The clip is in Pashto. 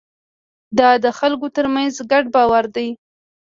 دا د خلکو ترمنځ ګډ باور دی.